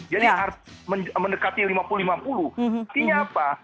jadi mendekati lima puluh lima puluh artinya apa